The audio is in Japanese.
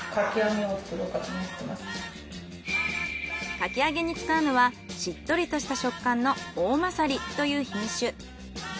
かき揚げに使うのはしっとりとした食感のおおまさりという品種。